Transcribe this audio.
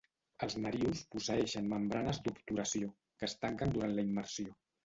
Els narius posseeixen membranes d'obturació, que es tanquen durant la immersió.